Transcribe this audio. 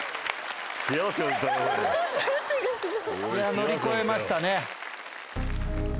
乗り越えましたね。